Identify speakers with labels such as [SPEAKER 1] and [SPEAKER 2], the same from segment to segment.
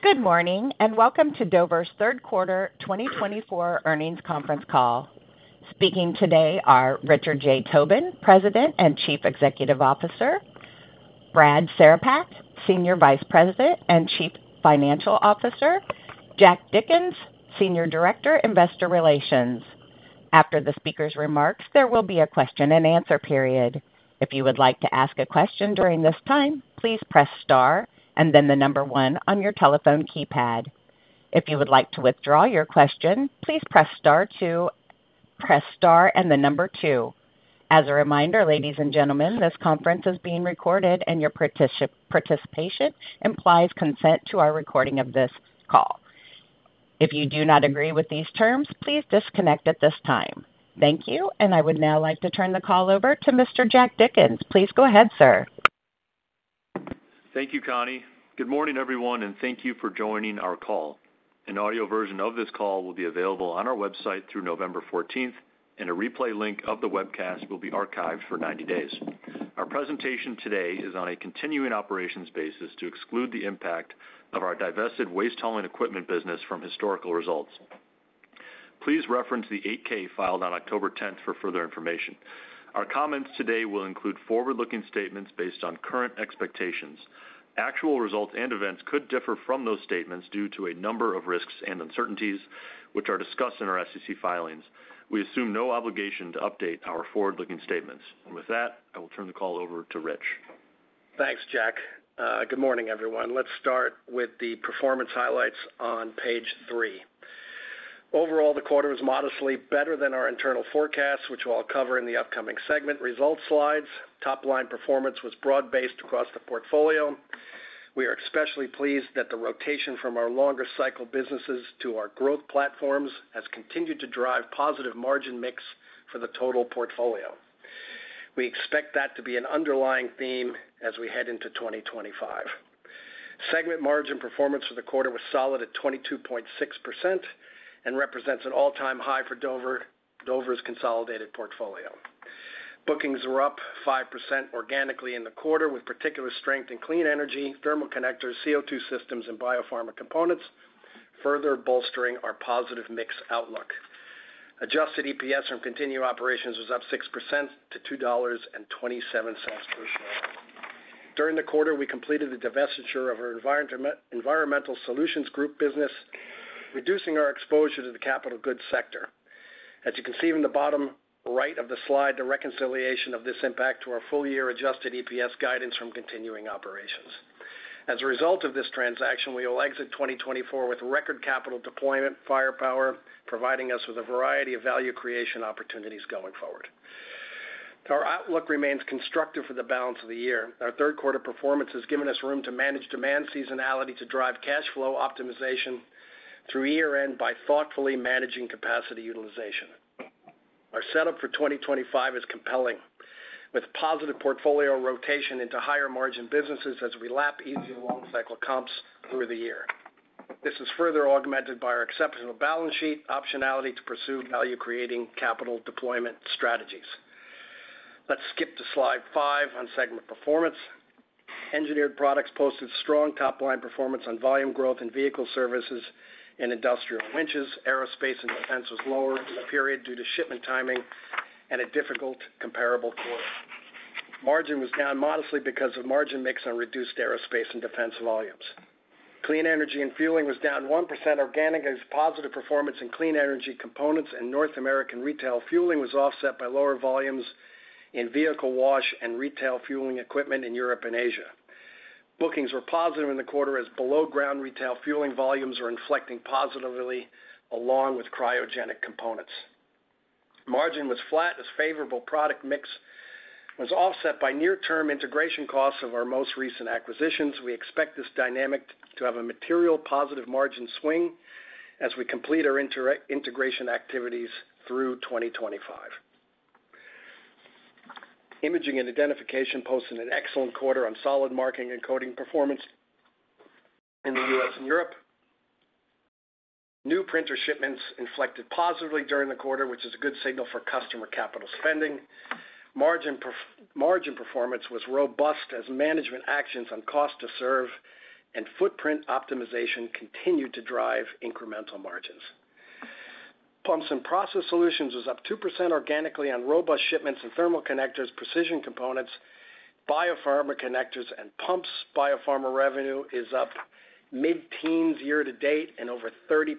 [SPEAKER 1] Good morning, and welcome to Dover's third quarter twenty twenty-four earnings conference call. Speaking today are Richard J. Tobin, President and Chief Executive Officer, Brad Cerepak, Senior Vice President and Chief Financial Officer, Jack Dickens, Senior Director, Investor Relations. After the speakers' remarks, there will be a question-and-answer period. If you would like to ask a question during this time, please press star and then the number one on your telephone keypad. If you would like to withdraw your question, please press star two, press star and the number two. As a reminder, ladies and gentlemen, this conference is being recorded, and your participation implies consent to our recording of this call. If you do not agree with these terms, please disconnect at this time. Thank you, and I would now like to turn the call over to Mr. Jack Dickens. Please go ahead, sir.
[SPEAKER 2] Thank you, Connie. Good morning, everyone, and thank you for joining our call. An audio version of this call will be available on our website through November fourteenth, and a replay link of the webcast will be archived for ninety days. Our presentation today is on a continuing operations basis to exclude the impact of our divested waste hauling equipment business from historical results. Please reference the 8-K filed on October tenth for further information. Our comments today will include forward-looking statements based on current expectations. Actual results and events could differ from those statements due to a number of risks and uncertainties, which are discussed in our SEC filings. We assume no obligation to update our forward-looking statements, and with that, I will turn the call over to Rich.
[SPEAKER 3] Thanks, Jack. Good morning, everyone. Let's start with the performance highlights on page three. Overall, the quarter was modestly better than our internal forecast, which I'll cover in the upcoming segment results slides. Top-line performance was broad-based across the portfolio. We are especially pleased that the rotation from our longer cycle businesses to our growth platforms has continued to drive positive margin mix for the total portfolio. We expect that to be an underlying theme as we head into 2025. Segment margin performance for the quarter was solid at 22.6% and represents an all-time high for Dover's consolidated portfolio. Bookings were up 5% organically in the quarter, with particular strength in clean energy, thermal connectors, CO2 systems, and biopharma components, further bolstering our positive mix outlook. Adjusted EPS from continuing operations was up 6% to $2.27 per share. During the quarter, we completed the divestiture of our Environmental Solutions Group business, reducing our exposure to the capital goods sector. As you can see from the bottom right of the slide, the reconciliation of this impact to our full-year Adjusted EPS guidance from continuing operations. As a result of this transaction, we will exit 2024 with record capital deployment firepower, providing us with a variety of value creation opportunities going forward. Our outlook remains constructive for the balance of the year. Our third quarter performance has given us room to manage demand seasonality to drive cash flow optimization through year-end by thoughtfully managing capacity utilization. Our setup for 2025 is compelling, with positive portfolio rotation into higher margin businesses as we lap easier long cycle comps through the year. This is further augmented by our exceptional balance sheet, optionality to pursue value-creating capital deployment strategies. Let's skip to Slide 5 on segment performance. Engineered Products posted strong top-line performance on volume growth in vehicle services and industrial winches. Aerospace & Defense was lower in the period due to shipment timing and a difficult comparable quarter. Margin was down modestly because of margin mix on reduced aerospace and defense volumes. Clean Energy & Fueling was down 1%. Organic had positive performance in clean energy components, and North American retail fueling was offset by lower volumes in vehicle wash and retail fueling equipment in Europe and Asia. Bookings were positive in the quarter as below-ground retail fueling volumes are inflecting positively, along with cryogenic components. Margin was flat as favorable product mix was offset by near-term integration costs of our most recent acquisitions. We expect this dynamic to have a material positive margin swing as we complete our integration activities through 2025. Imaging & Identification posted an excellent quarter on solid marking and coding performance in the U.S. and Europe. New printer shipments inflected positively during the quarter, which is a good signal for customer capital spending. Margin performance was robust as management actions on cost to serve and footprint optimization continued to drive incremental margins. Pumps & Process Solutions was up 2% organically on robust shipments in thermal connectors, precision components, biopharma connectors, and pumps. Biopharma revenue is up mid-teens year to date and over 30%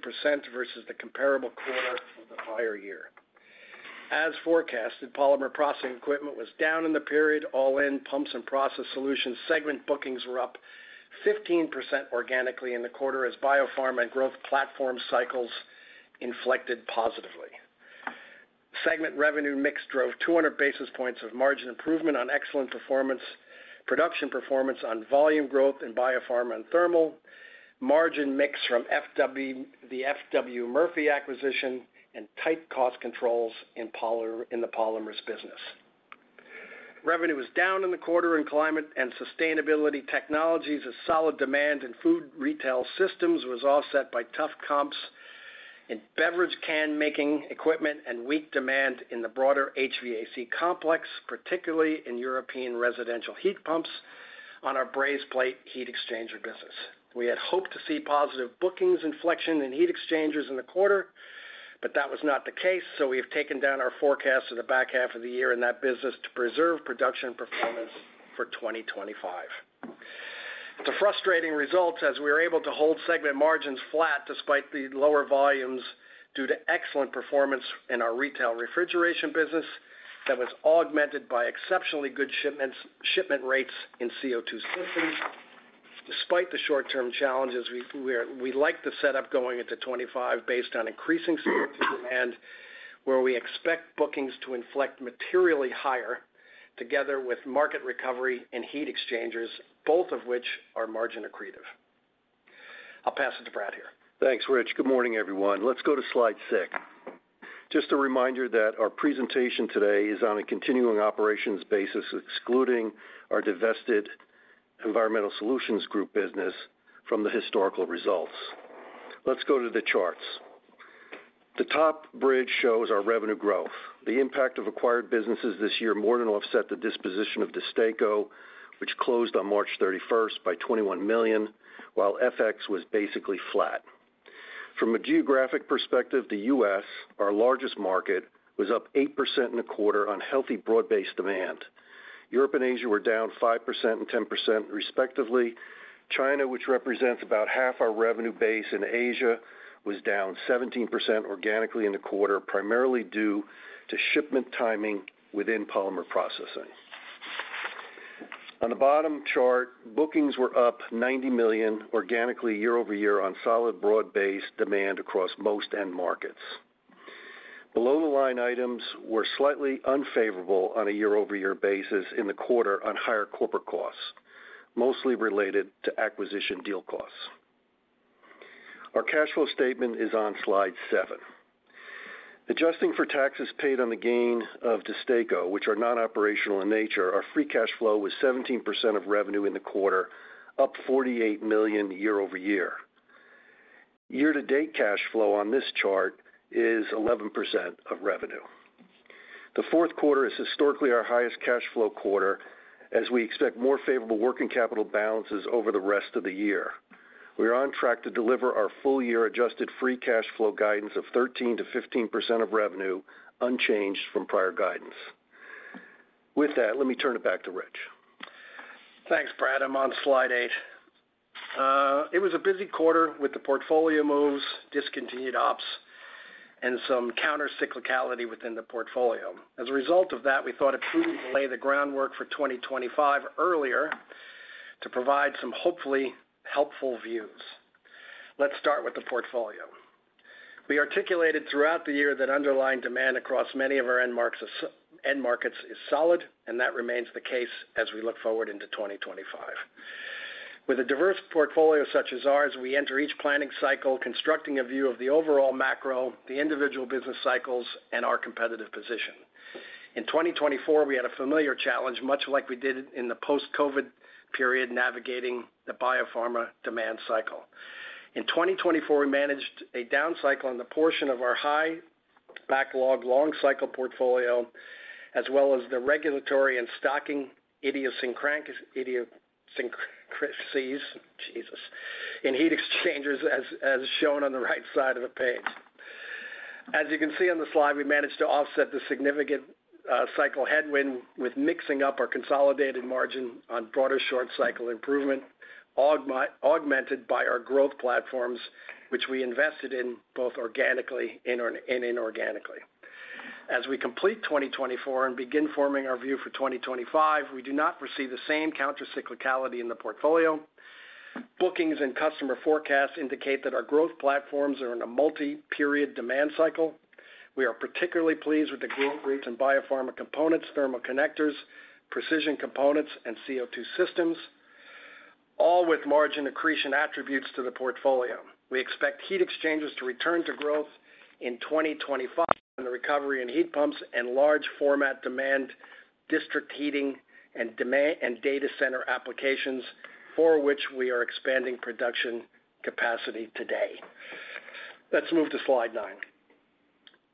[SPEAKER 3] versus the comparable quarter of the prior year. As forecasted, polymer processing equipment was down in the period. All in, Pumps & Process Solutions segment bookings were up 15% organically in the quarter as biopharma and growth platform cycles inflected positively. Segment revenue mix drove two hundred basis points of margin improvement on excellent performance, production performance on volume growth in biopharma and thermal, margin mix from FW Murphy acquisition, and tight cost controls in poly in the polymers business. Revenue was down in the quarter in Climate & Sustainability Technologies as solid demand in food retail systems was offset by tough comps in beverage can making equipment and weak demand in the broader HVAC complex, particularly in European residential heat pumps on our brazed plate heat exchanger business. We had hoped to see positive bookings inflection in heat exchangers in the quarter, but that was not the case, so we have taken down our forecast for the back half of the year in that business to preserve production performance for 2025. It's a frustrating result as we were able to hold segment margins flat despite the lower volumes, due to excellent performance in our retail refrigeration business that was augmented by exceptionally good shipments, shipment rates in CO2 systems. Despite the short-term challenges, we like the setup going into 2025 based on increasing CO2 demand, where we expect bookings to inflect materially higher, together with market recovery and heat exchangers, both of which are margin accretive. I'll pass it to Brad here.
[SPEAKER 4] Thanks, Rich. Good morning, everyone. Let's go to Slide 6. Just a reminder that our presentation today is on a continuing operations basis, excluding our divested Environmental Solutions Group business from the historical results. Let's go to the charts. The top bridge shows our revenue growth. The impact of acquired businesses this year more than offset the disposition of DESTACO, which closed on March thirty-first by $21 million, while FX was basically flat. From a geographic perspective, the U.S., our largest market, was up 8% in the quarter on healthy broad-based demand. Europe and Asia were down 5% and 10%, respectively. China, which represents about half our revenue base in Asia, was down 17% organically in the quarter, primarily due to shipment timing within polymer processing. On the bottom chart, bookings were up $90 million organically year over year on solid broad-based demand across most end markets. Below-the-line items were slightly unfavorable on a year-over-year basis in the quarter on higher corporate costs, mostly related to acquisition deal costs. Our cash flow statement is on Slide 7. Adjusting for taxes paid on the gain of DESTACO, which are non-operational in nature, our free cash flow was 17% of revenue in the quarter, up $48 million year over year. Year-to-date cash flow on this chart is 11% of revenue. The fourth quarter is historically our highest cash flow quarter, as we expect more favorable working capital balances over the rest of the year. We are on track to deliver our full-year adjusted free cash flow guidance of 13%-15% of revenue, unchanged from prior guidance. With that, let me turn it back to Rich.
[SPEAKER 3] Thanks, Brad. I'm on Slide 8. It was a busy quarter with the portfolio moves, discontinued ops, and some countercyclicality within the portfolio. As a result of that, we thought it prudent to lay the groundwork for 2025 earlier to provide some hopefully helpful views. Let's start with the portfolio. We articulated throughout the year that underlying demand across many of our end markets is solid, and that remains the case as we look forward into 2025. With a diverse portfolio such as ours, we enter each planning cycle constructing a view of the overall macro, the individual business cycles, and our competitive position. In 2024, we had a familiar challenge, much like we did in the post-COVID period, navigating the biopharma demand cycle. In twenty twenty-four, we managed a down cycle on the portion of our high backlog, long cycle portfolio, as well as the regulatory and stocking idiosyncrasies, Jesus, in heat exchangers, as shown on the right side of the page. As you can see on the slide, we managed to offset the significant cycle headwind with mixing up our consolidated margin on broader short cycle improvement, augmented by our growth platforms, which we invested in both organically and inorganically. As we complete 2024 and begin forming our view for 2025, we do not foresee the same countercyclicality in the portfolio. Bookings and customer forecasts indicate that our growth platforms are in a multi-period demand cycle. We are particularly pleased with the growth rates in biopharma components, thermal connectors, precision components, and CO2 systems, all with margin accretion attributes to the portfolio. We expect heat exchangers to return to growth in twenty twenty-five, and the recovery in heat pumps and large format demand, district heating and demand and data center applications, for which we are expanding production capacity today. Let's move to Slide 9.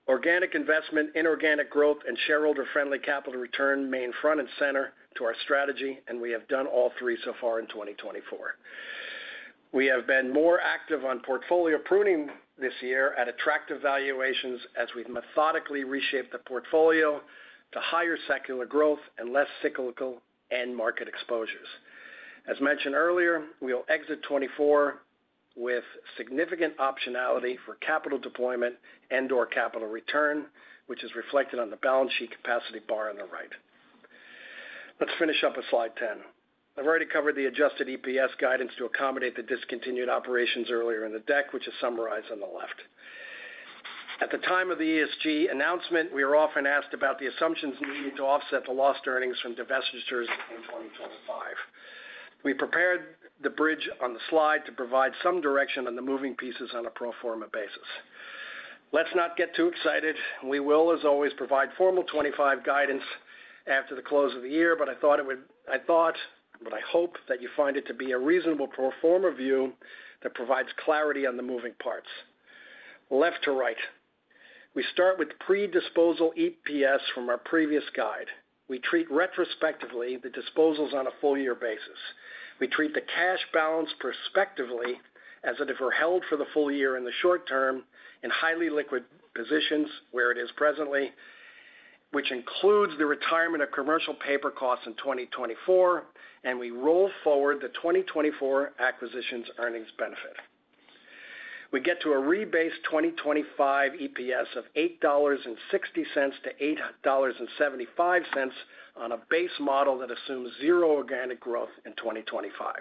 [SPEAKER 3] Organic investment, inorganic growth, and shareholder-friendly capital return remain front and center to our strategy, and we have done all three so far in 2024. We have been more active on portfolio pruning this year at attractive valuations as we've methodically reshaped the portfolio to higher secular growth and less cyclical end market exposures. As mentioned earlier, we'll exit 2024 with significant optionality for capital deployment and/or capital return, which is reflected on the balance sheet capacity bar on the right. Let's finish up with Slide 10. I've already covered the adjusted EPS guidance to accommodate the discontinued operations earlier in the deck, which is summarized on the left. At the time of the ESG announcement, we were often asked about the assumptions we needed to offset the lost earnings from divestitures in twenty twenty-five. We prepared the bridge on the Slide to provide some direction on the moving pieces on a pro forma basis.... Let's not get too excited. We will, as always, provide formal 2025 guidance after the close of the year, but I thought it would-- I thought, but I hope that you find it to be a reasonable pro forma view that provides clarity on the moving parts. Left to right, we start with pre-disposal EPS from our previous guide. We treat retrospectively the disposals on a full year basis. We treat the cash balance prospectively as if it were held for the full year in the short term, in highly liquid positions, where it is presently, which includes the retirement of commercial paper costs in 2024, and we roll forward the 2024 acquisitions earnings benefit. We get to a rebased 2025 EPS of $8.60-$8.75 on a base model that assumes zero organic growth in 2025.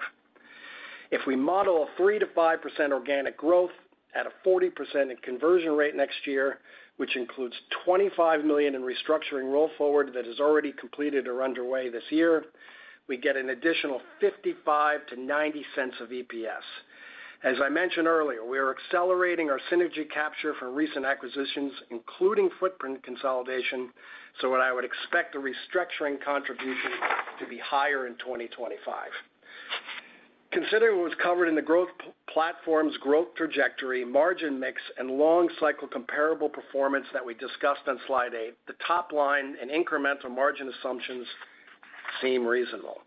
[SPEAKER 3] If we model a 3%-5% organic growth at a 40% in conversion rate next year, which includes $25 million in restructuring roll forward that is already completed or underway this year, we get an additional $0.55-$0.90 of EPS. As I mentioned earlier, we are accelerating our synergy capture from recent acquisitions, including footprint consolidation, so what I would expect the restructuring contribution to be higher in 2025. Considering what was covered in the growth platform's growth trajectory, margin mix, and long cycle comparable performance that we discussed on Slide 8, the top line and incremental margin assumptions seem reasonable.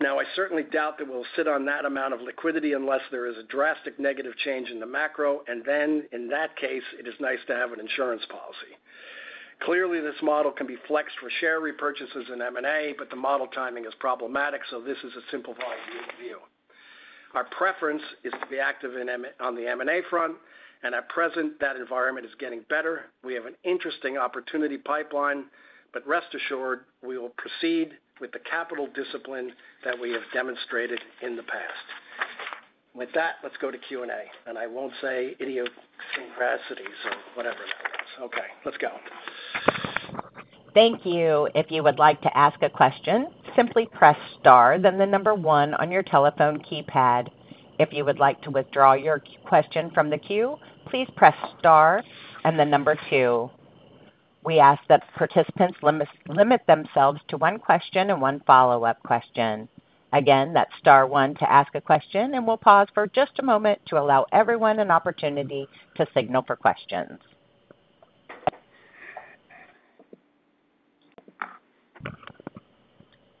[SPEAKER 3] Now, I certainly doubt that we'll sit on that amount of liquidity unless there is a drastic negative change in the macro, and then in that case, it is nice to have an insurance policy. Clearly, this model can be flexed for share repurchases in M&A, but the model timing is problematic, so this is a simplified view. Our preference is to be active in the M&A front, and at present, that environment is getting better. We have an interesting opportunity pipeline, but rest assured, we will proceed with the capital discipline that we have demonstrated in the past. With that, let's go to Q&A, and I won't say idiosyncrasies or whatever that is. Okay, let's go.
[SPEAKER 1] Thank you. If you would like to ask a question, simply press star, then the number one on your telephone keypad. If you would like to withdraw your question from the queue, please press star and then number two. We ask that participants limit themselves to one question and one follow-up question. Again, that's star one to ask a question, and we'll pause for just a moment to allow everyone an opportunity to signal for questions,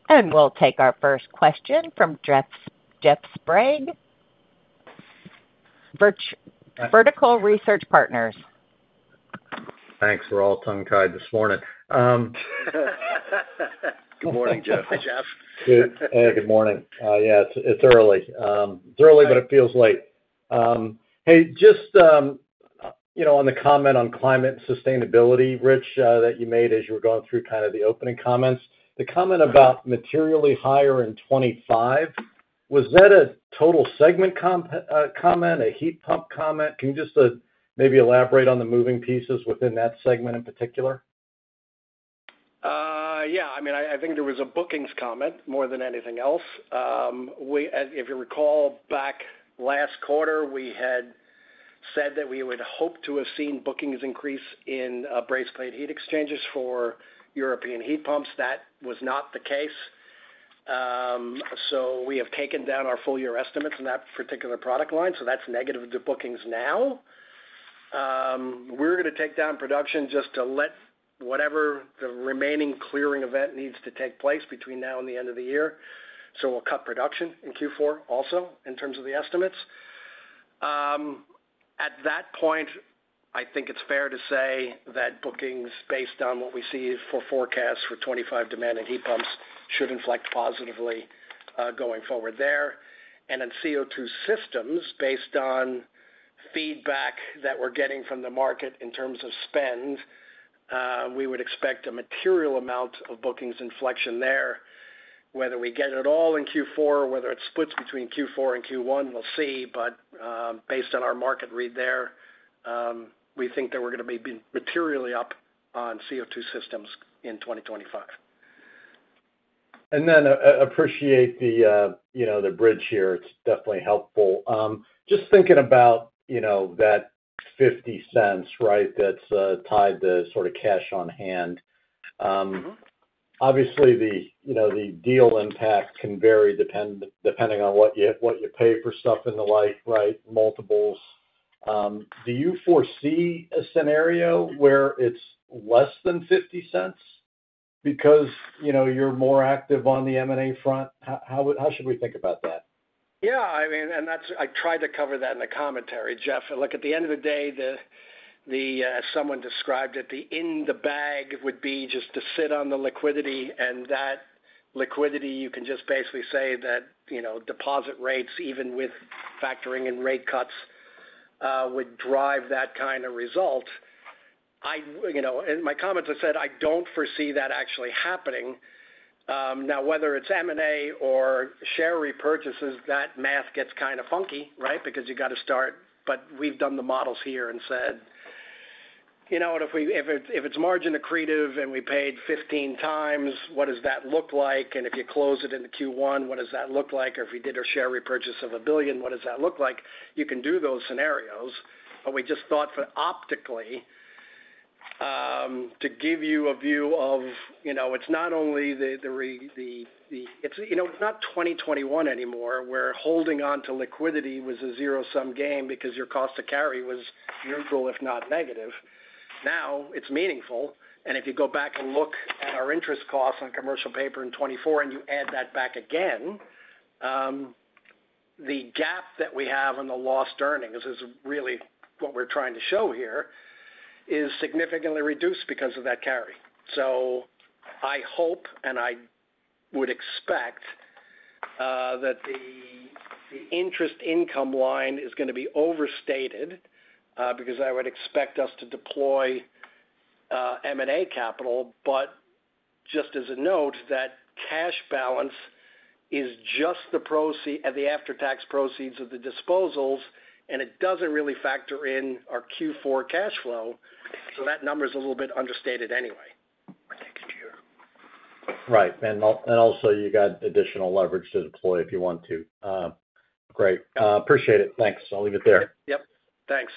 [SPEAKER 1] and we'll take our first question from Jeff Sprague, Vertical. Vertical Research Partners.
[SPEAKER 5] Thanks. We're all tongue-tied this morning.
[SPEAKER 3] Good morning, Jeff. Hi, Jeff.
[SPEAKER 5] Good. Hey, good morning. Yeah, it's early, but it feels late. Hey, just, you know, on the comment on climate sustainability, Rich, that you made as you were going through kind of the opening comments. The comment about materially higher in 2025, was that a total segment comp, comment, a heat pump comment? Can you just, maybe elaborate on the moving pieces within that segment in particular?
[SPEAKER 3] Yeah. I mean, I think there was a bookings comment more than anything else. We, as if you recall, back last quarter, we had said that we would hope to have seen bookings increase in brazed plate heat exchangers for European heat pumps. That was not the case. So we have taken down our full year estimates in that particular product line, so that's negative to bookings now. We're gonna take down production just to let whatever the remaining clearing event needs to take place between now and the end of the year. So we'll cut production in Q4 also, in terms of the estimates. At that point, I think it's fair to say that bookings, based on what we see for forecasts for 2025 demand and heat pumps, should inflect positively going forward there. In CO2 systems, based on feedback that we're getting from the market in terms of spend, we would expect a material amount of bookings inflection there. Whether we get it all in Q4, or whether it splits between Q4 and Q1, we'll see. Based on our market read there, we think that we're gonna be materially up on CO2 systems in 2025.
[SPEAKER 5] And then, appreciate the, you know, the bridge here. It's definitely helpful. Just thinking about, you know, that $0.50, right? That's tied to sort of cash on hand. Mm-hmm. Obviously the, you know, the deal impact can vary, depending on what you pay for stuff and the like, right? Multiples. Do you foresee a scenario where it's less than $0.50 because, you know, you're more active on the M&A front? How would, how should we think about that?
[SPEAKER 3] Yeah, I mean, and that's I tried to cover that in the commentary, Jeff. Look, at the end of the day, someone described it, the in the bag would be just to sit on the liquidity, and that liquidity, you can just basically say that, you know, deposit rates, even with factoring and rate cuts, would drive that kind of result. You know, in my comments, I said I don't foresee that actually happening. Now, whether it's M&A or share repurchases, that math gets kind of funky, right? Because you've got to start, but we've done the models here and said You know what, if it's margin accretive and we paid fifteen times, what does that look like? And if you close it in the Q1, what does that look like? Or if we did our share repurchase of $1 billion, what does that look like? You can do those scenarios, but we just thought for optics to give you a view of, you know, it's not only the return, you know, it's not 2021 anymore, where holding on to liquidity was a zero-sum game because your cost to carry was neutral, if not negative. Now, it's meaningful, and if you go back and look at our interest costs on commercial paper in 2024, and you add that back again, the gap that we have in the lost earnings is really what we're trying to show here, is significantly reduced because of that carry. So I hope, and I would expect, that the interest income line is going to be overstated, because I would expect us to deploy M&A capital. Just as a note, that cash balance is just the after-tax proceeds of the disposals, and it doesn't really factor in our Q4 cash flow, so that number is a little bit understated anyway.
[SPEAKER 5] Right, and also, you got additional leverage to deploy if you want to. Great. Appreciate it. Thanks. I'll leave it there.
[SPEAKER 3] Yep, thanks.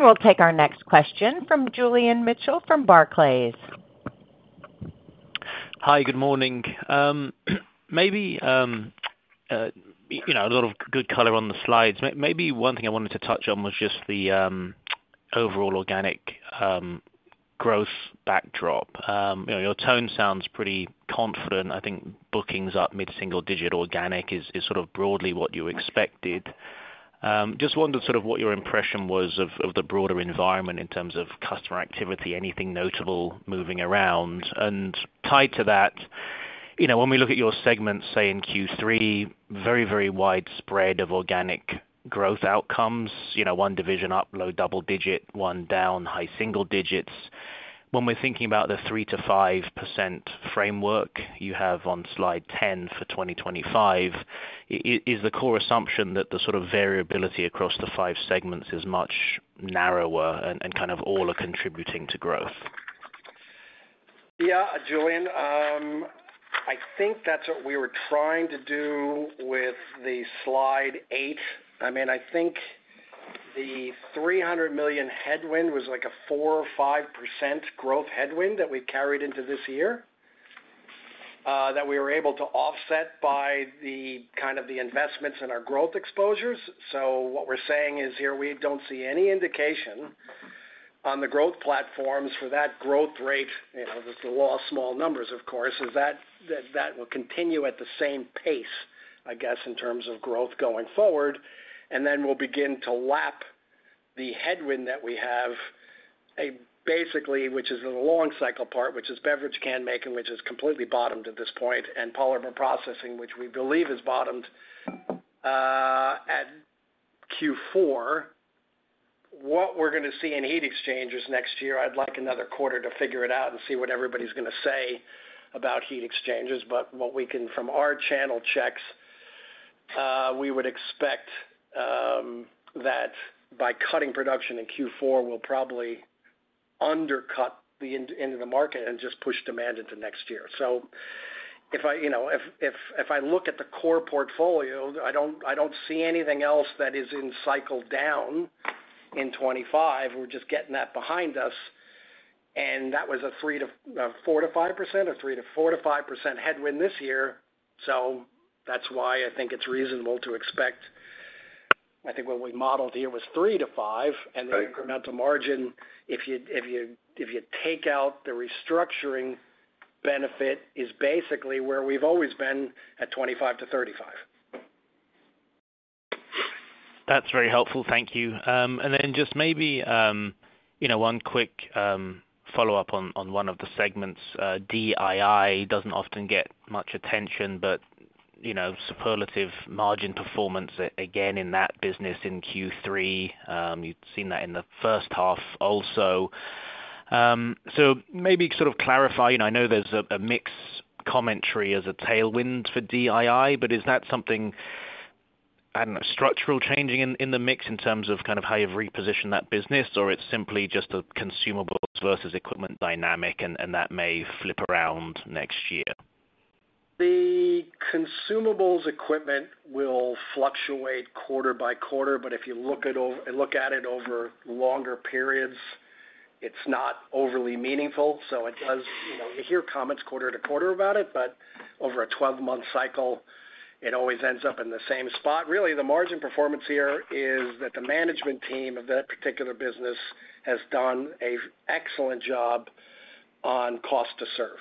[SPEAKER 1] We'll take our next question from Julian Mitchell, from Barclays.
[SPEAKER 6] Hi, good morning. Maybe one thing I wanted to touch on was just the overall organic growth backdrop. You know, your tone sounds pretty confident. I think bookings up mid-single digit organic is sort of broadly what you expected. Just wondered sort of what your impression was of the broader environment in terms of customer activity, anything notable moving around? And tied to that, you know, when we look at your segments, say in Q3, very widespread of organic growth outcomes, you know, one division up low double digit, one down high single digits. When we're thinking about the 3%-5% framework you have on Slide 10 for 2025, is the core assumption that the sort of variability across the five segments is much narrower and kind of all are contributing to growth?
[SPEAKER 3] Yeah, Julian, I think that's what we were trying to do with the Slide 8. I mean, I think the $300 million headwind was like a 4% or 5% growth headwind that we carried into this year, that we were able to offset by the kind of the investments in our growth exposures. So what we're saying is here, we don't see any indication on the growth platforms for that growth rate. You know, the law of small numbers, of course, is that will continue at the same pace, I guess, in terms of growth going forward, and then we'll begin to lap the headwind that we have, basically, which is in the long cycle part, which is beverage can making, which is completely bottomed at this point, and polymer processing, which we believe is bottomed at Q4. What we're going to see in heat exchangers next year, I'd like another quarter to figure it out and see what everybody's going to say about heat exchangers. But what we can from our channel checks, we would expect that by cutting production in Q4, we'll probably undercut the end of the market and just push demand into next year. So if I, you know, if I look at the core portfolio, I don't see anything else that is in cycle down in twenty-five. We're just getting that behind us, and that was a 3%-5% headwind this year. So that's why I think it's reasonable to expect. I think what we modeled here was 3%-5%.
[SPEAKER 6] Right.
[SPEAKER 3] The incremental margin, if you take out the restructuring benefit, is basically where we've always been at 25%-35%.
[SPEAKER 6] That's very helpful. Thank you, and then just maybe, you know, one quick follow-up on one of the segments. DII doesn't often get much attention, but you know, superlative margin performance again in that business in Q3. You'd seen that in the first half also, so maybe sort of clarify, and I know there's a mix commentary as a tailwind for DII, but is that something, I don't know, structural changing in the mix in terms of kind of how you've repositioned that business, or it's simply just a consumables versus equipment dynamic, and that may flip around next year?
[SPEAKER 3] The consumables equipment will fluctuate quarter by quarter, but if you look at it over longer periods, it's not overly meaningful. So it does, you know, you hear comments quarter to quarter about it, but over a twelve-month cycle, it always ends up in the same spot. Really, the margin performance here is that the management team of that particular business has done an excellent job on cost to serve.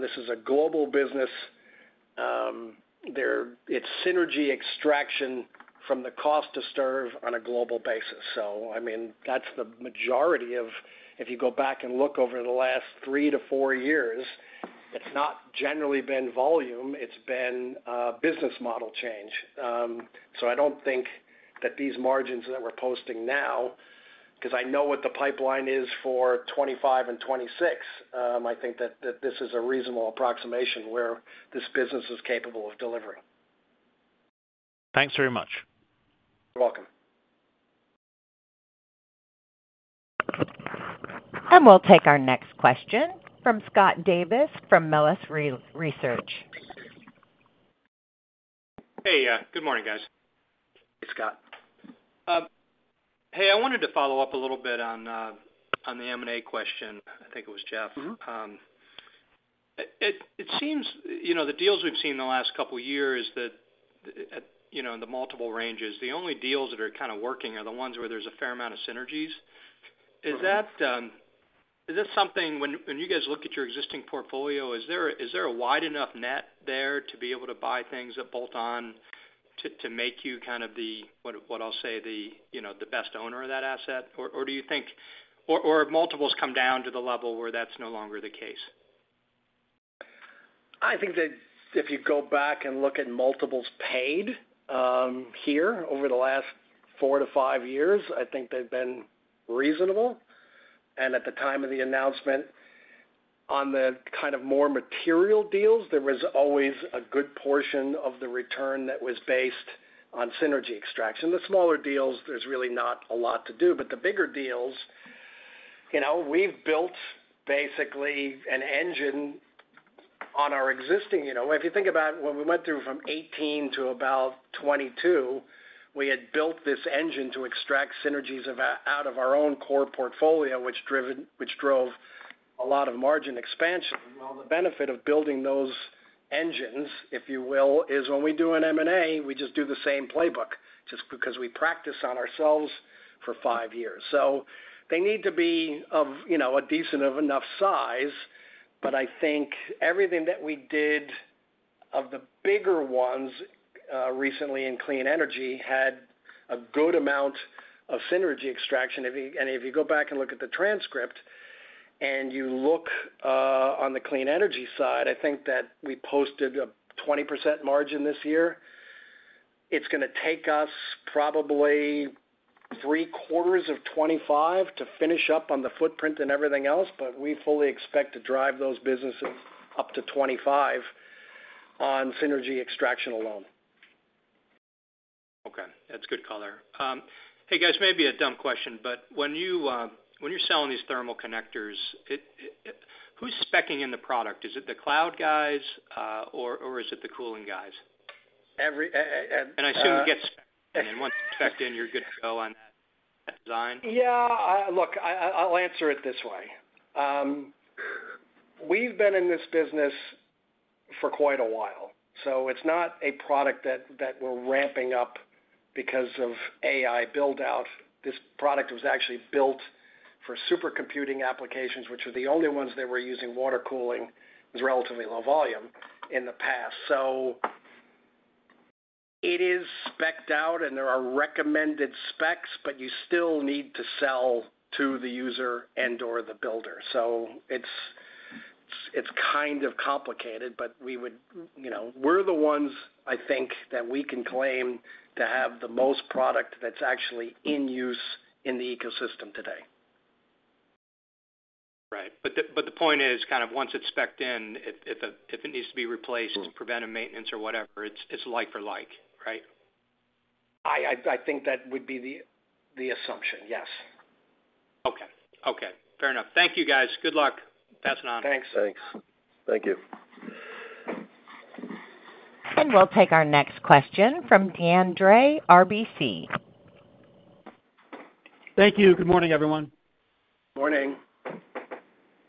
[SPEAKER 3] This is a global business. It's synergy extraction from the cost to serve on a global basis. So I mean, that's the majority of... If you go back and look over the last three to four years, it's not generally been volume, it's been, business model change. So I don't think that these margins that we're posting now... 'Cause I know what the pipeline is for 2025 and 2026, I think that this is a reasonable approximation where this business is capable of delivering.
[SPEAKER 6] Thanks very much.
[SPEAKER 3] You're welcome.
[SPEAKER 1] We'll take our next question from Scott Davis, from Melius Research.
[SPEAKER 7] Hey, good morning, guys.
[SPEAKER 3] Hey, Scott.
[SPEAKER 7] Hey, I wanted to follow up a little bit on the M&A question. I think it was Jeff.
[SPEAKER 3] Mm-hmm.
[SPEAKER 7] It seems, you know, the deals we've seen in the last couple of years that you know, in the multiple ranges, the only deals that are kind of working are the ones where there's a fair amount of synergies.
[SPEAKER 3] Mm-hmm.
[SPEAKER 7] Is that something when you guys look at your existing portfolio, is there a wide enough net there to be able to buy things that bolt on to make you kind of the, what I'll say, the, you know, the best owner of that asset? Or do you think or have multiples come down to the level where that's no longer the case?
[SPEAKER 3] I think that if you go back and look at multiples paid here over the last four to five years, I think they've been reasonable. And at the time of the announcement on the kind of more material deals, there was always a good portion of the return that was based on synergy extraction. The smaller deals, there's really not a lot to do. But the bigger deals, you know, we've built basically an engine on our existing you know. If you think about what we went through from 2018 to about 2022, we had built this engine to extract synergies out of our own core portfolio, which drove a lot of margin expansion. Well, the benefit of building those engines, if you will, is when we do an M&A, we just do the same playbook, just because we practice on ourselves for five years. So they need to be of, you know, a decent of enough size, but I think everything that we did of the bigger ones recently in clean energy had a good amount of synergy extraction. And if you go back and look at the transcript and you look on the clean energy side, I think that we posted a 20% margin this year. It's gonna take us probably three quarters of 25% to finish up on the footprint and everything else, but we fully expect to drive those businesses up to 25% on synergy extraction alone.
[SPEAKER 7] Okay, that's good color. Hey, guys, maybe a dumb question, but when you're selling these thermal connectors, who's speccing in the product? Is it the cloud guys, or is it the cooling guys?
[SPEAKER 3] Every.
[SPEAKER 7] I assume it gets, and once it's specced in, you're good to go on that, that design?
[SPEAKER 3] Yeah, look, I'll answer it this way. We've been in this business for quite a while, so it's not a product that we're ramping up because of AI build-out. This product was actually built for supercomputing applications, which are the only ones that were using water cooling, was relatively low volume in the past. So it is specced out, and there are recommended specs, but you still need to sell to the user and/or the builder. So it's kind of complicated, but we would, you know, we're the ones, I think, that we can claim to have the most product that's actually in use in the ecosystem today.
[SPEAKER 7] Right. But the point is, kind of once it's specced in, if it needs to be replaced to preventive maintenance or whatever, it's like for like, right?
[SPEAKER 3] I think that would be the assumption, yes.
[SPEAKER 7] Okay. Okay, fair enough. Thank you, guys. Good luck, passing on.
[SPEAKER 3] Thanks.
[SPEAKER 8] Thanks. Thank you.
[SPEAKER 1] We'll take our next question from Deane Dray, RBC.
[SPEAKER 9] Thank you. Good morning, everyone.
[SPEAKER 3] Morning.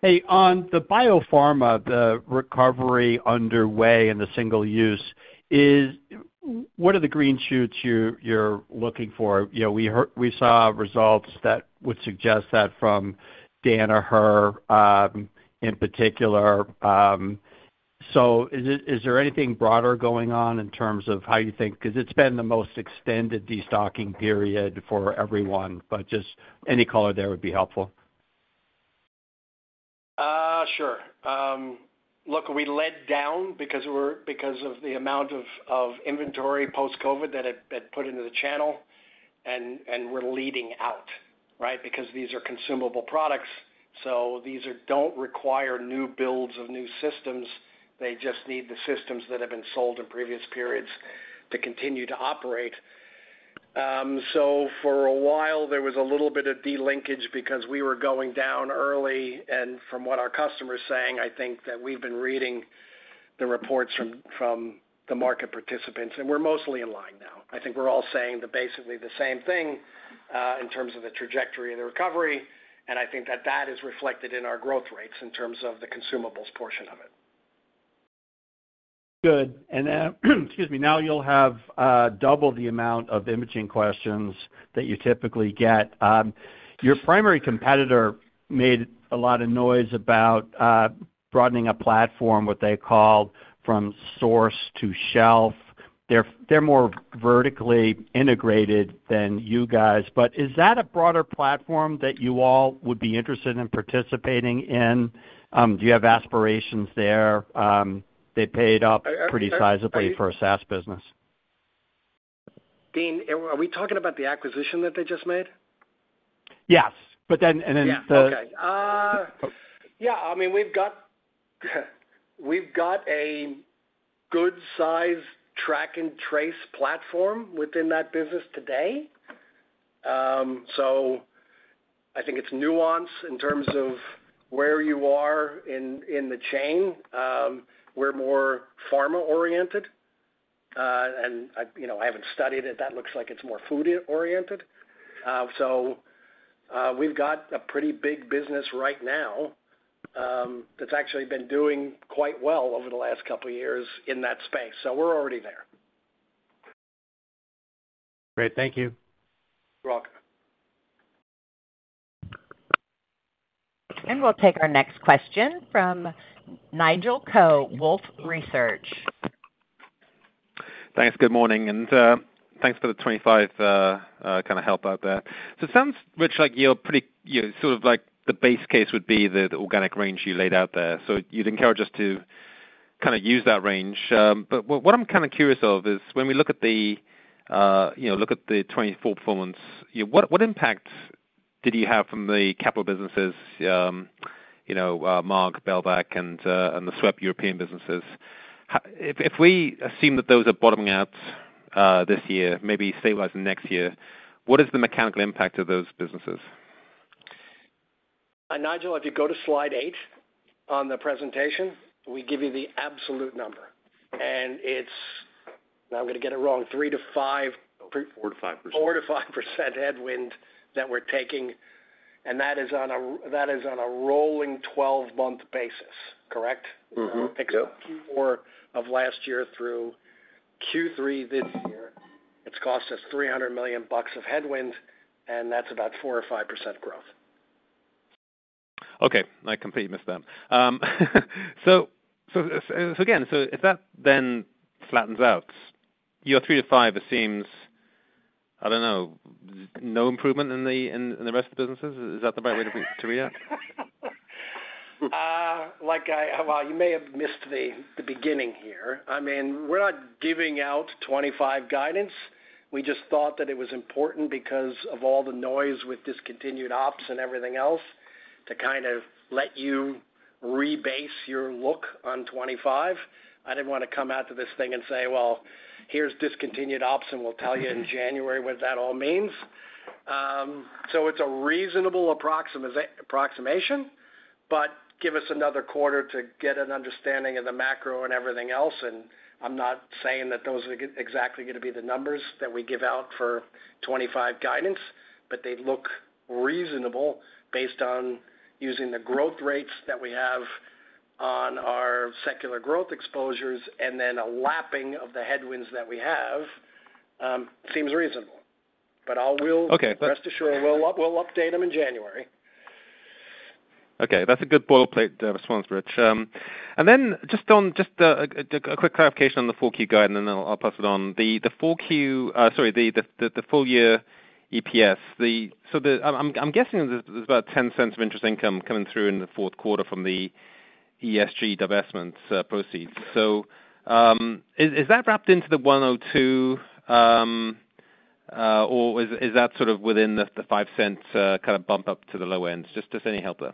[SPEAKER 9] Hey, on the biopharma, the recovery underway in the single-use, what are the green shoots you're looking for? You know, we saw results that would suggest that from Danaher, in particular. So, is there anything broader going on in terms of how you think? Because it's been the most extended destocking period for everyone, but just any color there would be helpful.
[SPEAKER 3] Sure. Look, we led down because of the amount of inventory post-COVID that had put into the channel, and we're leading out, right? Because these are consumable products, so these don't require new builds of new systems. They just need the systems that have been sold in previous periods to continue to operate. So for a while, there was a little bit of delinkage because we were going down early, and from what our customers saying, I think that we've been reading the reports from the market participants, and we're mostly in line now. I think we're all saying basically the same thing in terms of the trajectory of the recovery, and I think that that is reflected in our growth rates in terms of the consumables portion of it.
[SPEAKER 9] Good. And excuse me. Now you'll have double the amount of imaging questions that you typically get. Your primary competitor made a lot of noise about broadening a platform, what they called from source to shelf. They're more vertically integrated than you guys, but is that a broader platform that you all would be interested in participating in? Do you have aspirations there? They paid up pretty sizably for a SaaS business....
[SPEAKER 3] Deane, are we talking about the acquisition that they just made?
[SPEAKER 9] Yes, but then.
[SPEAKER 3] Yeah, okay. Yeah, I mean, we've got a good size track and trace platform within that business today. So I think it's nuanced in terms of where you are in the chain. We're more pharma oriented, and I, you know, I haven't studied it. That looks like it's more food-oriented. So, we've got a pretty big business right now, that's actually been doing quite well over the last couple of years in that space, so we're already there.
[SPEAKER 9] Great. Thank you.
[SPEAKER 3] You're welcome.
[SPEAKER 1] And we'll take our next question from Nigel Coe, Wolfe Research.
[SPEAKER 10] Thanks. Good morning, and, thanks for the 2025, kind of help out there. So it sounds, Rich, like you're pretty-- you sort of like the base case would be the organic range you laid out there. So you'd encourage us to kind of use that range. But what, what I'm kind of curious of is, when we look at the, you know, look at the 2024 performance, what, what impact did you have from the capital businesses, you know, MAAG, Belvac, and, and the SWEP European businesses? If, if we assume that those are bottoming out, this year, maybe stabilizing next year, what is the mechanical impact of those businesses?
[SPEAKER 3] Nigel, if you go to Slide 8 on the presentation, we give you the absolute number, and it's... Now, I'm gonna get it wrong, three to five-
[SPEAKER 10] 4%-5%.
[SPEAKER 3] 4%-5% headwind that we're taking, and that is on a rolling twelve-month basis, correct?
[SPEAKER 10] Mm-hmm. Yep.
[SPEAKER 3] Q4 of last year through Q3 this year, it's cost us $300 million of headwind, and that's about 4% or 5% growth.
[SPEAKER 10] Okay. I completely missed that. So again, so if that then flattens out, your three to five it seems, I don't know, no improvement in the rest of the businesses? Is that the right way to read that?
[SPEAKER 3] Well, you may have missed the beginning here. I mean, we're not giving out 2025 guidance. We just thought that it was important because of all the noise with discontinued ops and everything else, to kind of let you rebase your look on 2025. I didn't want to come out to this thing and say, "Well, here's discontinued ops, and we'll tell you in January what that all means." So it's a reasonable approximation, but give us another quarter to get an understanding of the macro and everything else. I'm not saying that those are exactly going to be the numbers that we give out for 2025 guidance, but they look reasonable based on using the growth rates that we have on our secular growth exposures, and then a lapping of the headwinds that we have, seems reasonable. We'll-
[SPEAKER 10] Okay.
[SPEAKER 3] Rest assured, we'll update them in January.
[SPEAKER 10] Okay, that's a good boilerplate response, Rich. Then just on a quick clarification on the full-year guide, and then I'll pass it on. The full-year EPS. So I'm guessing there's about $0.10 of interest income coming through in the fourth quarter from the ESG divestments proceeds. So is that wrapped into the $1.02 or is that sort of within the $0.05 kind of bump up to the low end? Just any help there?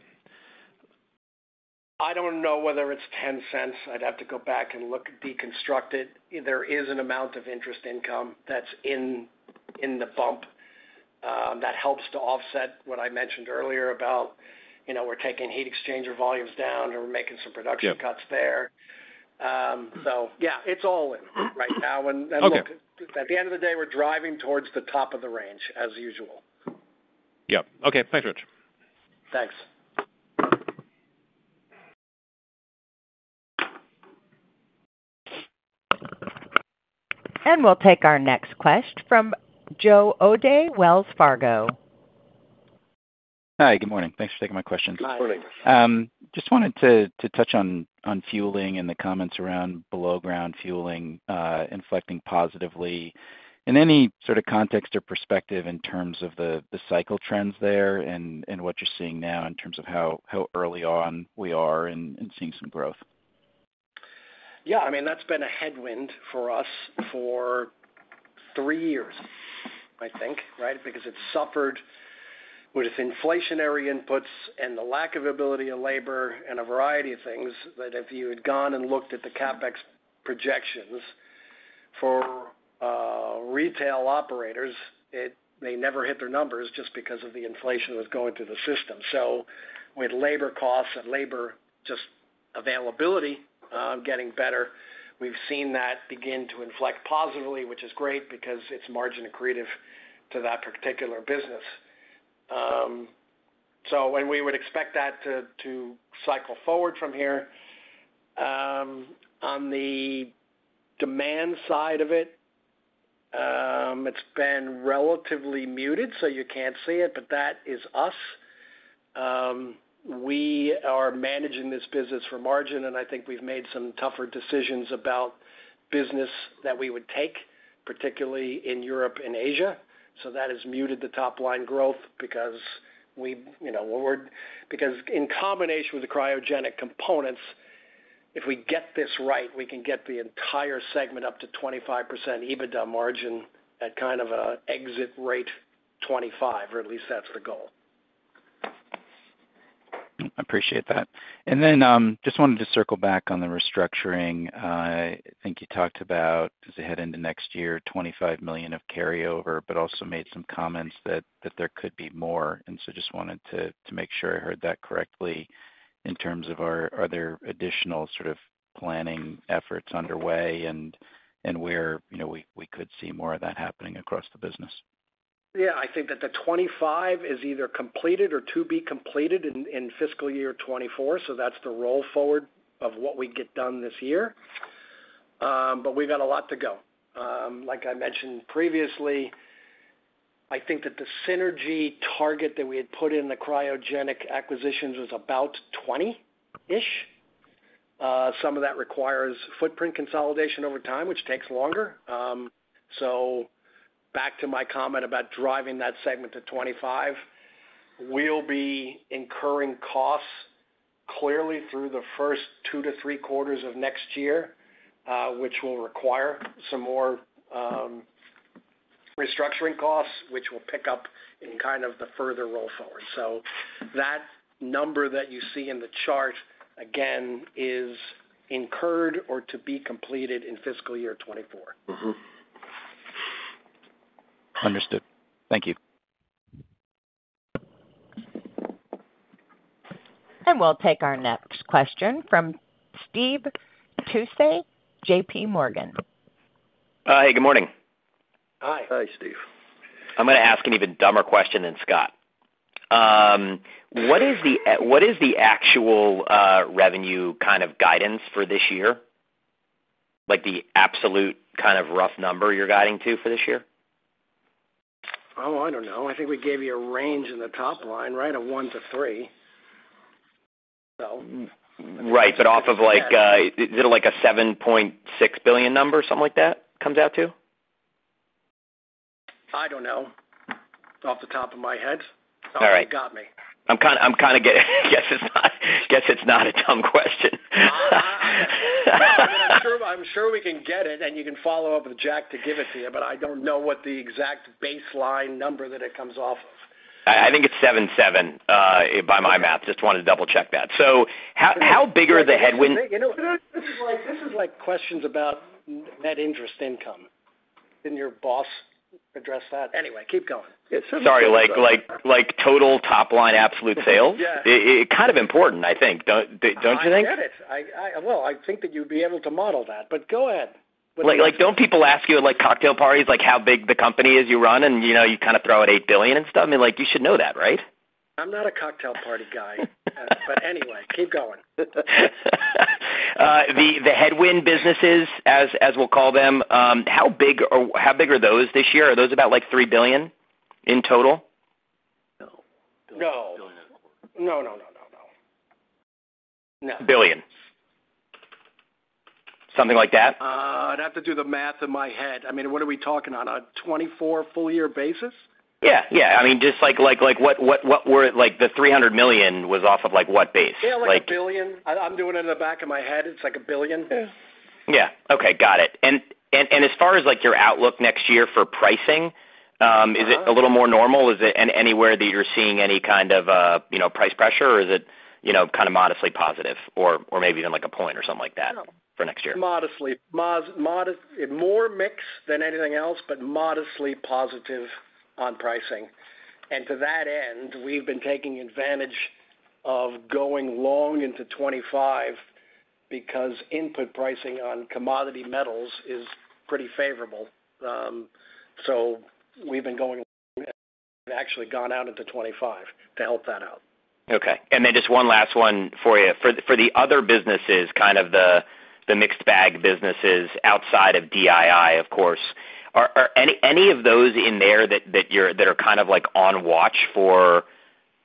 [SPEAKER 3] I don't know whether it's $0.10. I'd have to go back and look, deconstruct it. There is an amount of interest income that's in the bump that helps to offset what I mentioned earlier about, you know, we're taking heat exchanger volumes down, and we're making some production cuts there.
[SPEAKER 10] Yep.
[SPEAKER 3] So yeah, it's all in right now.
[SPEAKER 10] Okay.
[SPEAKER 3] Look, at the end of the day, we're driving towards the top of the range as usual.
[SPEAKER 10] Yep. Okay. Thanks, Rich.
[SPEAKER 3] Thanks.
[SPEAKER 1] We'll take our next question from Joe O'Dea, Wells Fargo.
[SPEAKER 11] Hi, good morning. Thanks for taking my question.
[SPEAKER 3] Good morning.
[SPEAKER 11] Just wanted to touch on fueling and the comments around below-ground fueling inflecting positively. In any sort of context or perspective in terms of the cycle trends there and what you're seeing now in terms of how early on we are in seeing some growth?
[SPEAKER 3] Yeah, I mean, that's been a headwind for us for three years, I think, right? Because it's suffered with inflationary inputs and the lack of ability of labor and a variety of things, that if you had gone and looked at the CapEx projections for retail operators, it, they never hit their numbers just because of the inflation that was going through the system. So with labor costs and labor just availability getting better, we've seen that begin to inflect positively, which is great because it's margin accretive to that particular business. So when we would expect that to cycle forward from here, on the demand side of it, it's been relatively muted, so you can't see it, but that is us. We are managing this business for margin, and I think we've made some tougher decisions about business that we would take, particularly in Europe and Asia. So that has muted the top-line growth because we, you know, because in combination with the cryogenic components, if we get this right, we can get the entire segment up to 25% EBITDA margin at kind of a exit rate 25, or at least that's the goal.
[SPEAKER 11] I appreciate that. And then, just wanted to circle back on the restructuring. I think you talked about, as we head into next year, $25 million of carryover, but also made some comments that there could be more. And so just wanted to make sure I heard that correctly in terms of are there additional sort of planning efforts underway and where, you know, we could see more of that happening across the business?
[SPEAKER 3] Yeah, I think that the 25 is either completed or to be completed in fiscal year 2024, so that's the roll forward of what we get done this year. But we've got a lot to go. Like I mentioned previously, I think that the synergy target that we had put in the cryogenic acquisitions was about 20-ish. Some of that requires footprint consolidation over time, which takes longer. So back to my comment about driving that segment to 25, we'll be incurring costs clearly through the first two to three quarters of next year, which will require some more restructuring costs, which will pick up in kind of the further roll forward. So that number that you see in the chart, again, is incurred or to be completed in fiscal year 2024.
[SPEAKER 11] Mm-hmm. Understood. Thank you.
[SPEAKER 1] We'll take our next question from Stephen Tusa, J.P. Morgan.
[SPEAKER 12] Hi, good morning.
[SPEAKER 3] Hi. Hi, Steve.
[SPEAKER 12] I'm gonna ask an even dumber question than Scott. What is the actual, revenue kind of guidance for this year? Like, the absolute kind of rough number you're guiding to for this year?
[SPEAKER 3] Oh, I don't know. I think we gave you a range in the top line, right? A 1-3, so.
[SPEAKER 12] Right. But off of, like, is it like a $7.6 billion number, something like that, comes out to?
[SPEAKER 3] I don't know, off the top of my head.
[SPEAKER 12] All right.
[SPEAKER 3] You got me.
[SPEAKER 12] Guess it's not a dumb question.
[SPEAKER 3] I'm sure, I'm sure we can get it, and you can follow up with Jack to give it to you, but I don't know what the exact baseline number that it comes off of.
[SPEAKER 12] I think it's 77 by my math. Just wanted to double-check that. So how big are the headwinds?
[SPEAKER 3] You know, this is like, this is like questions about net interest income. Didn't your boss address that? Anyway, keep going.
[SPEAKER 12] Sorry, like, total top-line absolute sales?
[SPEAKER 3] Yeah.
[SPEAKER 12] It's kind of important, I think. Don't you think?
[SPEAKER 3] I get it. Well, I think that you'd be able to model that, but go ahead.
[SPEAKER 12] Like, don't people ask you at, like, cocktail parties, like, how big the company is you run and, you know, you kind of throw out $8 billion and stuff? I mean, like, you should know that, right?
[SPEAKER 3] I'm not a cocktail party guy. But anyway, keep going.
[SPEAKER 12] The headwind businesses, as we'll call them, how big are those this year? Are those about like $3 billion in total?
[SPEAKER 3] No. No. No, no, no, no, no. No.
[SPEAKER 12] Billions. Something like that?
[SPEAKER 3] I'd have to do the math in my head. I mean, what are we talking on, a 24 full year basis?
[SPEAKER 12] Yeah. I mean, just like, what were it - like, the $300 million was off of, like, what base? Like -
[SPEAKER 3] Yeah, like a billion. I, I'm doing it in the back of my head. It's like a billion. Yeah.
[SPEAKER 12] Yeah. Okay, got it. And as far as, like, your outlook next year for pricing?
[SPEAKER 3] Uh-huh.
[SPEAKER 12] Is it a little more normal? Is it anywhere that you're seeing any kind of, you know, price pressure, or is it, you know, kind of modestly positive or, or maybe even like a point or something like that for next year?
[SPEAKER 3] Modestly. More mix than anything else, but modestly positive on pricing. And to that end, we've been taking advantage of going long into 2025, because input pricing on commodity metals is pretty favorable. So we've actually gone out into 2025 to help that out.
[SPEAKER 12] Okay. And then just one last one for you. For the other businesses, kind of the mixed bag businesses outside of DII, of course, are any of those in there that are kind of like on watch for,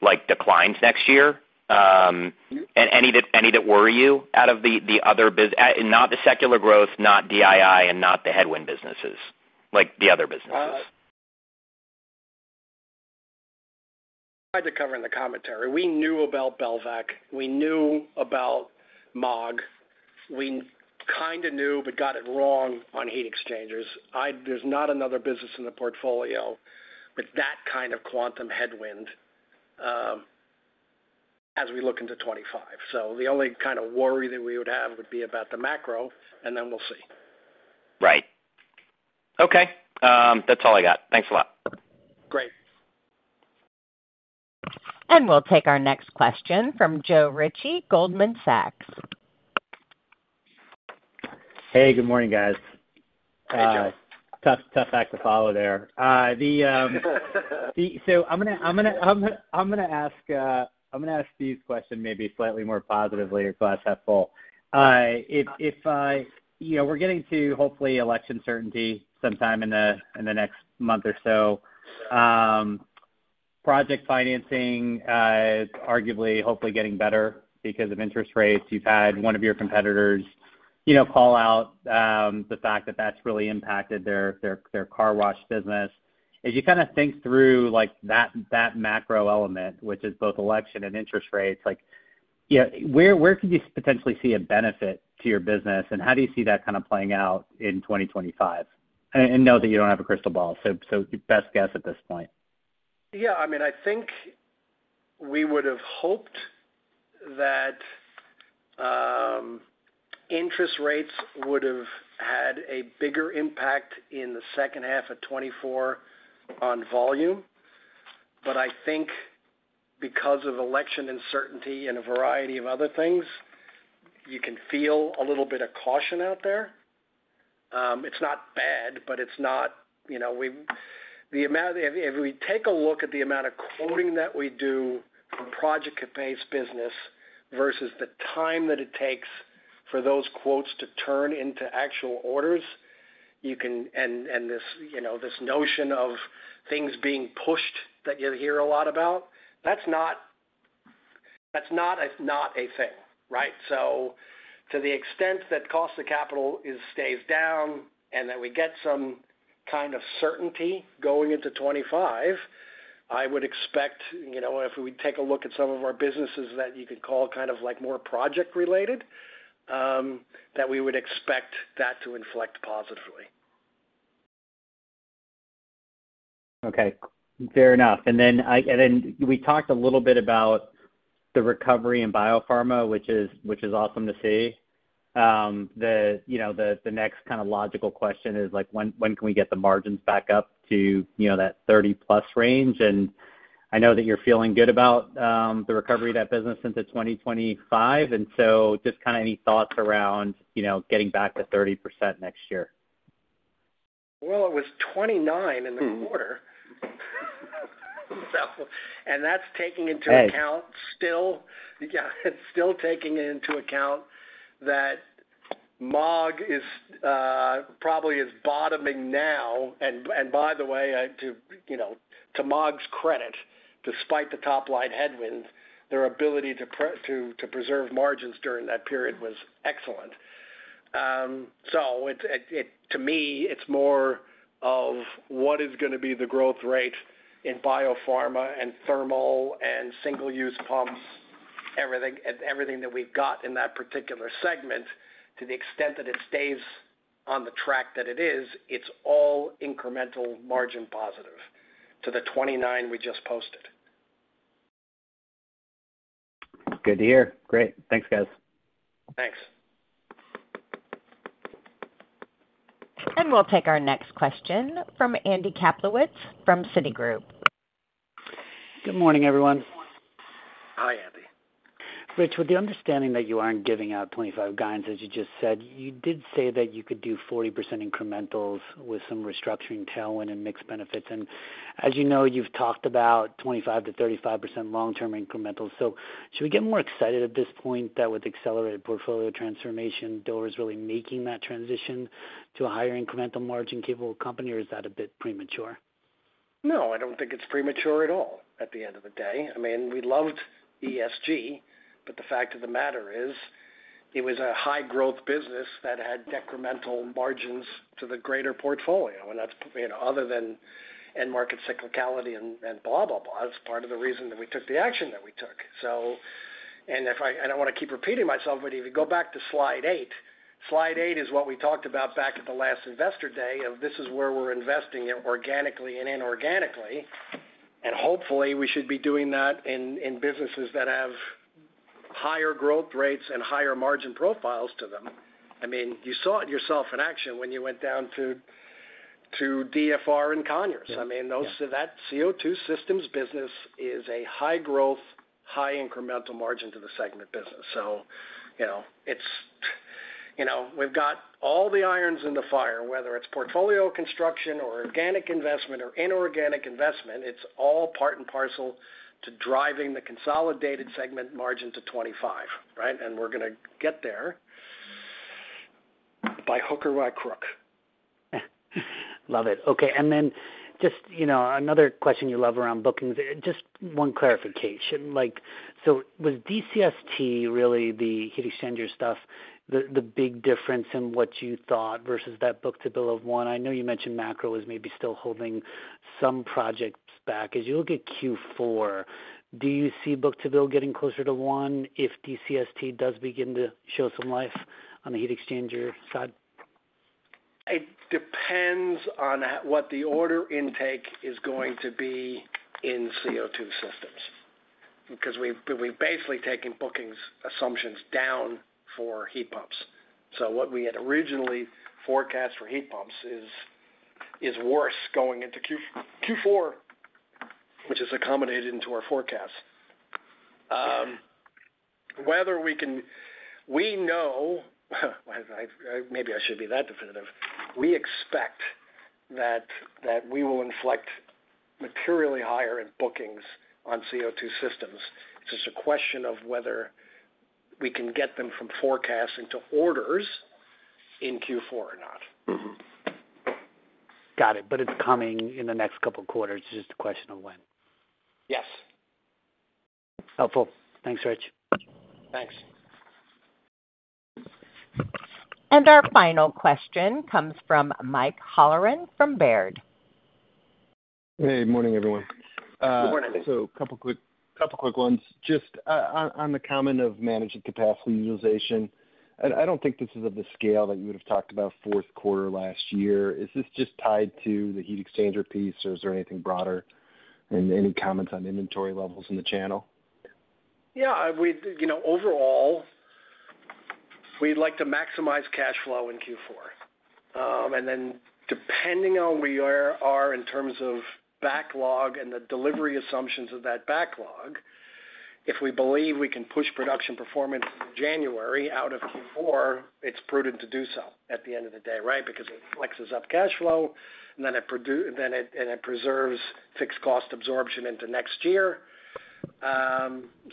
[SPEAKER 12] like, declines next year? And any that worry you out of the other businesses, not the secular growth, not DII, and not the headwind businesses, like the other businesses?
[SPEAKER 3] Tried to cover in the commentary. We knew about Belvac. We knew about MAAG. We kind of knew but got it wrong on heat exchangers. There's not another business in the portfolio with that kind of quantum headwind as we look into 2025. So the only kind of worry that we would have would be about the macro, and then we'll see.
[SPEAKER 12] Right. Okay, that's all I got. Thanks a lot.
[SPEAKER 3] Great.
[SPEAKER 1] We'll take our next question from Joe Ritchie, Goldman Sachs.
[SPEAKER 13] Hey, good morning, guys.
[SPEAKER 3] Hey, Joe.
[SPEAKER 13] Tough, tough act to follow there. I'm gonna ask Steve's question maybe slightly more positively or glass half full. You know, we're getting to, hopefully, election certainty sometime in the next month or so. Project financing is arguably, hopefully, getting better because of interest rates. You've had one of your competitors, you know, call out the fact that that's really impacted their car wash business. As you kind of think through, like, that macro element, which is both election and interest rates, like, yeah, where could you potentially see a benefit to your business, and how do you see that kind of playing out in 2025? Know that you don't have a crystal ball, so best guess at this point.
[SPEAKER 3] Yeah, I mean, I think we would've hoped that interest rates would've had a bigger impact in the second half of 2024 on volume. But I think because of election uncertainty and a variety of other things, you can feel a little bit of caution out there. It's not bad, but it's not, you know, the amount of... If we take a look at the amount of quoting that we do from project-based business versus the time that it takes for those quotes to turn into actual orders, you can and, and this, you know, this notion of things being pushed that you hear a lot about, that's not, that's not a, not a thing, right? So to the extent that cost of capital is, stays down and that we get some kind of certainty going into 2025, I would expect, you know, if we take a look at some of our businesses that you could call kind of like more project related, that we would expect that to inflect positively.
[SPEAKER 13] Okay. Fair enough. And then we talked a little bit about the recovery in biopharma, which is awesome to see. You know, the next kind of logical question is, like, when can we get the margins back up to, you know, that 30+ range? And I know that you're feeling good about the recovery of that business into 2025, and so just kind of any thoughts around, you know, getting back to 30% next year?
[SPEAKER 3] It was twenty-nine in the quarter. So... And that's taking into account-
[SPEAKER 13] Hey...
[SPEAKER 3] still, yeah, it's still taking into account that MAAG is probably bottoming now. And by the way, you know, to MAAG's credit, despite the top-line headwinds, their ability to preserve margins during that period was excellent. So it, to me, it's more of what is gonna be the growth rate in biopharma and thermal and single-use pumps, everything that we've got in that particular segment. To the extent that it stays on the track that it is, it's all incremental margin positive to the 29% we just posted.
[SPEAKER 13] Good to hear. Great. Thanks, guys.
[SPEAKER 3] Thanks.
[SPEAKER 1] We'll take our next question from Andy Kaplowitz, from Citigroup.
[SPEAKER 14] Good morning, everyone.
[SPEAKER 3] Hi, Andy.
[SPEAKER 14] Rich, with the understanding that you aren't giving out 2025 guidance, as you just said, you did say that you could do 40% incrementals with some restructuring tailwind and mixed benefits. And as you know, you've talked about 25%-35% long-term incremental. So should we get more excited at this point that with accelerated portfolio transformation, Dover is really making that transition to a higher incremental margin capable company, or is that a bit premature?
[SPEAKER 3] No, I don't think it's premature at all, at the end of the day. I mean, we loved ESG, but the fact of the matter is, it was a high growth business that had decremental margins to the greater portfolio. And that's, you know, other than end market cyclicality and, and blah, blah, blah, that's part of the reason that we took the action that we took. So, and if I don't want to keep repeating myself, but if you go back to Slide 8, Slide 8 is what we talked about back at the last Investor Day, of this is where we're investing organically and inorganically, and hopefully, we should be doing that in, in businesses that have higher growth rates and higher margin profiles to them. I mean, you saw it yourself in action when you went down to, to DFR and Conyers.
[SPEAKER 14] Yeah.
[SPEAKER 3] I mean, those, that CO2 systems business is a high growth, high incremental margin to the segment business. So you know, it's, you know, we've got all the irons in the fire, whether it's portfolio construction or organic investment or inorganic investment, it's all part and parcel to driving the consolidated segment margin to 25%, right? And we're gonna get there by hook or by crook.
[SPEAKER 14] Love it. Okay. And then just, you know, another question you love around bookings. Just one clarification. Like, so was DCST really the heat exchanger stuff, the big difference in what you thought versus that book-to-bill of one? I know you mentioned macro is maybe still holding some projects back. As you look at Q4, do you see book-to-bill getting closer to one if DCST does begin to show some life on the heat exchanger side?
[SPEAKER 3] It depends on what the order intake is going to be in CO2 systems, because we've basically taken bookings assumptions down for heat pumps. So what we had originally forecast for heat pumps is worse going into Q4, which is accommodated into our forecast. Whether we can... We know, maybe I shouldn't be that definitive. We expect that we will inflect materially higher in bookings on CO2 systems. It's just a question of whether we can get them from forecasting to orders in Q4 or not.
[SPEAKER 14] Mm-hmm. Got it. But it's coming in the next couple quarters, it's just a question of when?
[SPEAKER 3] Yes.
[SPEAKER 14] Helpful. Thanks, Rich.
[SPEAKER 3] Thanks.
[SPEAKER 1] And our final question comes from Mike Halloran from Baird.
[SPEAKER 8] Hey, morning, everyone.
[SPEAKER 3] Good morning.
[SPEAKER 8] A couple quick ones. Just, on the comment of managing capacity utilization, I don't think this is of the scale that you would have talked about fourth quarter last year. Is this just tied to the heat exchanger piece, or is there anything broader? And any comments on inventory levels in the channel?
[SPEAKER 3] Yeah, I would, you know, overall, we'd like to maximize cash flow in Q4. And then depending on where we are in terms of backlog and the delivery assumptions of that backlog, if we believe we can push production performance in January out of Q4, it's prudent to do so at the end of the day, right? Because it flexes up cash flow, and then it and it preserves fixed cost absorption into next year.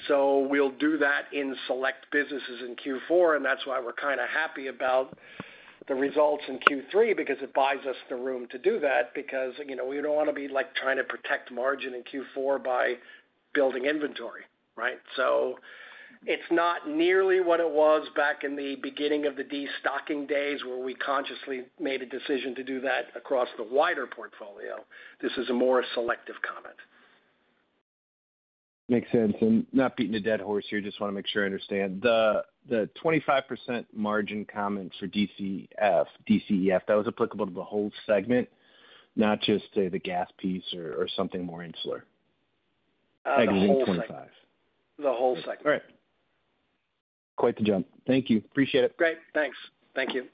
[SPEAKER 3] So we'll do that in select businesses in Q4, and that's why we're kind of happy about the results in Q3, because it buys us the room to do that, because, you know, we don't want to be, like, trying to protect margin in Q4 by building inventory, right? So it's not nearly what it was back in the beginning of the destocking days, where we consciously made a decision to do that across the wider portfolio. This is a more selective comment.
[SPEAKER 8] Makes sense. And not beating a dead horse here, just wanna make sure I understand. The 25% margin comment for DCF, DCEF, that was applicable to the whole segment, not just, say, the gas piece or something more insular? 25.
[SPEAKER 3] The whole segment.
[SPEAKER 8] All right. Quite the jump. Thank you. Appreciate it.
[SPEAKER 3] Great. Thanks. Thank you.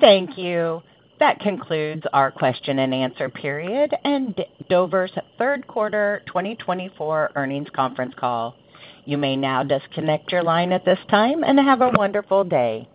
[SPEAKER 1] Thank you. That concludes our question and answer period and Dover's third quarter twenty twenty-four earnings conference call. You may now disconnect your line at this time, and have a wonderful day.